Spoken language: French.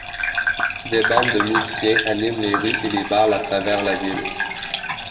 Des bandes de musiciens animent les rues et les bals à travers la ville.